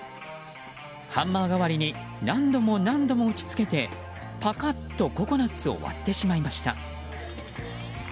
ハンマー代わりに何度も何度も打ちつけてパカッとココナツを割ってしまいました。